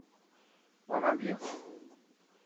با من بیا!